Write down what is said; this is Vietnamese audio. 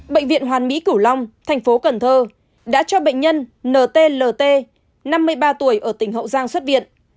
bệnh viện hoàn mỹ cửu long thành phố cần thơ đã cho bệnh nhân nt năm mươi ba tuổi ở tỉnh hậu giang xuất viện